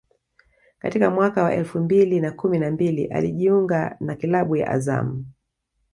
Katika mwaka wa elfu mbili na kumi na mbili alijiunga na klabu ya Azam